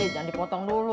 jangan dipotong dulu